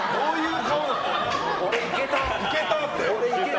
俺、いけたって。